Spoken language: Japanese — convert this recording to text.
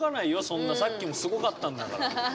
そんなさっきもすごかったんだから。